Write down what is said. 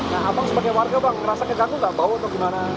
nah abang sebagai warga bang ngerasa terganggu gak bawa atau gimana